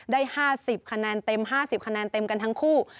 ได้๕๐คะแนนเต็ม๕๐คะแนนเต็มกันทั้งคู่